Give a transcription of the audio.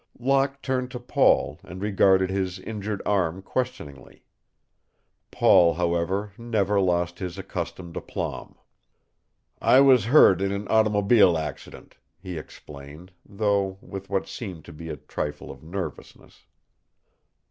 Locke turned to Paul and regarded his injured arm questioningly. Paul, however, never lost his accustomed aplomb. "I was hurt in an automobile accident," he explained, though with what seemed to be a trifle of nervousness.